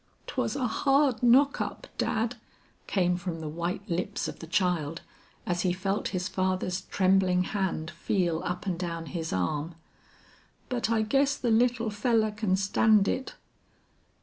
"'Twas a hard knock up, Dad," came from the white lips of the child as he felt his father's trembling hand feel up and down his arm, "but I guess the 'little fellar' can stand it."